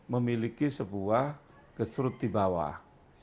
memiliki sebuah gesrut di bawah